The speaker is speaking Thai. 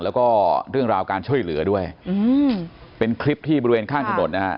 แล้วก็เรื่องราวการช่วยเหลือด้วยอืมเป็นคลิปที่บริเวณข้างถนนนะฮะ